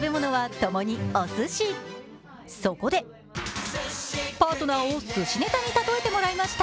そこでパートナーをすしネタに例えてもらいました。